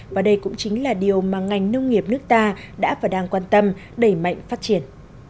và đây cũng chính là điều mà ngành nông nghiệp nước ta đã và đang quan tâm đẩy mạnh phát triển